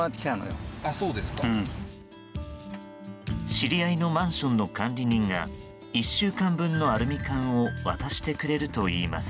知り合いのマンションの管理人が１週間分のアルミ缶を渡してくれるといいます。